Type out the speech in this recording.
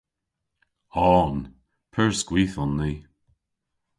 On. Pur skwith on ni.